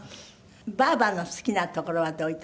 ばあばの好きなところはどういうとこ？